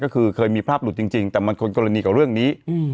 ก็คือเคยมีภาพหลุดจริงแต่มันคนกรณีกับเรื่องนี้